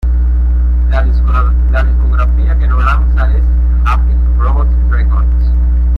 La discográfica que lo lanza es Happy Robot Records.